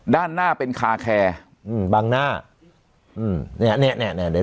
ด้านหน้าเป็นคาแคร์อืมบังหน้าอืมเนี้ยเนี้ยเนี้ย